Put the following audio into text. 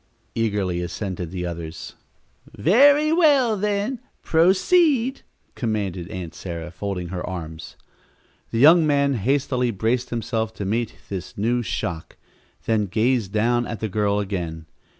eagerly assented the others. "Very well, then, proceed," commanded Aunt Sarah, folding her arms. The young man hastily braced himself to meet this new shock, then gazed down at the girl again.